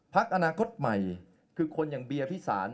พักอนาคตใหม่คือที่คุณอย่าง